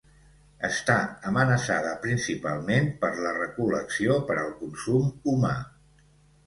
Està amenaçada principalment per la recol·lecció per al consum humà.